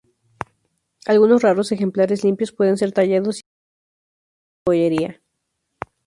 Algunos raros ejemplares limpios pueden ser Tallados y emplearse como una gema en joyería.